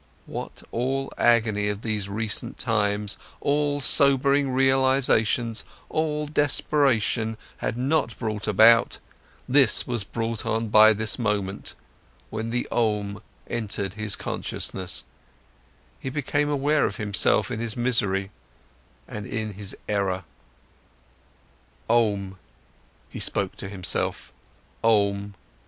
What all agony of these recent times, all sobering realizations, all desperation had not brought about, this was brought on by this moment, when the Om entered his consciousness: he became aware of himself in his misery and in his error. Om! he spoke to himself: Om!